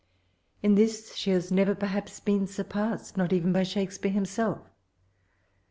In this she has never perhaps been surpassed, not even by Shakespeare himself.